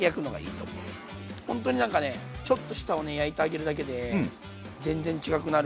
ほんとになんかねちょっと下をね焼いてあげるだけで全然違くなるから。